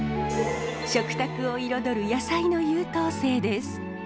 食卓を彩る野菜の優等生です。